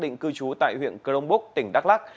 nói trên được xác định cư trú tại huyện cờ đông búc tỉnh đắk lắc